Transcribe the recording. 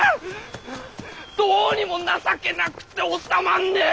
どうにも情けなくて治まんねぇ。